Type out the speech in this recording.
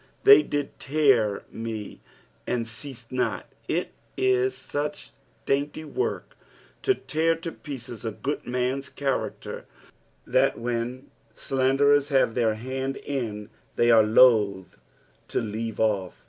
" They did tear me, and ceated not." It is sucli dainty work to tear to pieces a good man's character, that when slanderers hare their hand in they are loath to leave off.